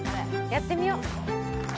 やってみよう。